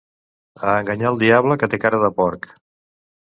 A enganyar el diable, que té cara de porc!